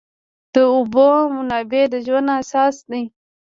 د اوبو منابع د ژوند اساس دي.